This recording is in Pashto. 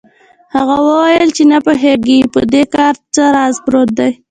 هغه وویل چې نه پوهېږي په دې کار کې څه راز پروت دی.